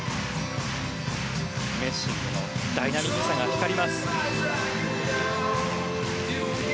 メッシングのダイナミックさが光ります。